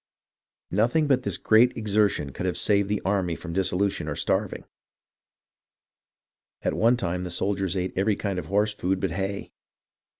,., Nothing but this great exertion could have saved the army from dissolution or starving. ... At one time the soldiers ate every kind of horse food but hay.